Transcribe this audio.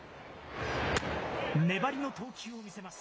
粘りの投球を見せます。